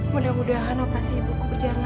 mudah mudahan operasi ibuku berjalan lancar